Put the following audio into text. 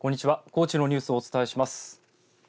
高知のニュースをお伝えします。